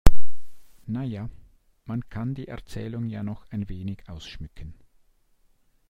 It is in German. Na ja, man kann die Erzählung ja noch ein wenig ausschmücken.